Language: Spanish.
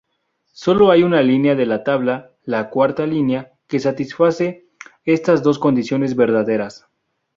Solo hay una línea de la tabla—la cuarta línea—que satisface estas dos condiciones verdaderas.